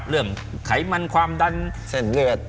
ไขมันความดันเส้นเลือด